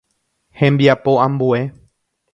Hembiapo ambue.